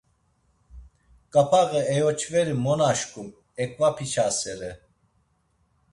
Ǩapaği eyoçveri mo naşǩum, eǩvapiçasere.